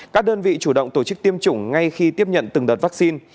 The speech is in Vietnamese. các đơn vị chủ động tổ chức tiêm chủng ngay khi tiếp nhận từng đợt vaccine